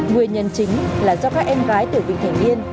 nguyên nhân chính là do các em gái tuổi vị thành niên